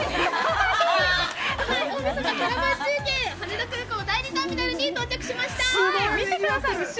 大みそかキャラバン中継羽田空港第２ターミナルに到着しました。